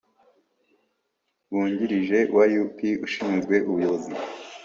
Wungirije wa U P ushinzwe ubuyobozi